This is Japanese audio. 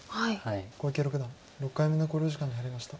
小池六段６回目の考慮時間に入りました。